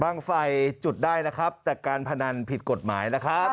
บ้างไฟจุดได้นะครับแต่การพนันผิดกฎหมายนะครับ